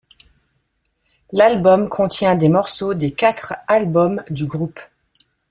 L'album contient des morceaux des quatre albums du groupe.